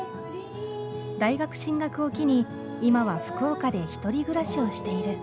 大学進学を機に今は福岡で１人暮らしをしている。